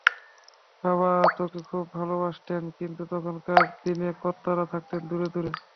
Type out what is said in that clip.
বাবা তোকে খুব ভালোবাসতেন, কিন্তু তখনকার দিনে কর্তারা থাকতেন দূরে দূরে।